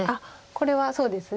これはそうですね。